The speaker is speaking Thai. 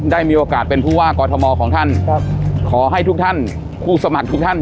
ได้มีโอกาสเป็นผู้ว่ากอทมของท่านครับขอให้ทุกท่านผู้สมัครทุกท่าน